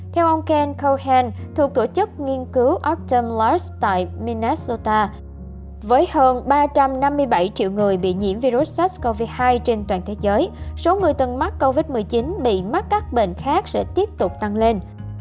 theo ông ken cohen thuộc tổ chức nghiên cứu ostrom los tại minusota với hơn ba trăm năm mươi bảy triệu người bị nhiễm virus sars cov hai trên toàn thế giới số người từng mắc covid một mươi chín bị mắc các bệnh khác sẽ tiếp tục tăng lên